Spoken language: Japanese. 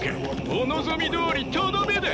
お望みどおりとどめだ。